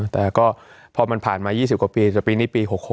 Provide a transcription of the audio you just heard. แต่ก็พอมันผ่านมา๒๐กว่าปีจะปีนี้ปี๖๖